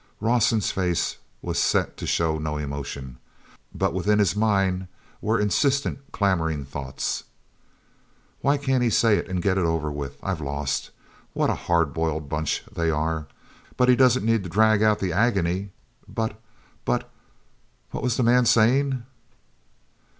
Rawson's face was set to show no emotion, but within his mind were insistent, clamoring thoughts: "Why can't he say it and get it over with? I've lost—what a hard boiled bunch they are!—but he doesn't need to drag out the agony." But—but what was the man saying?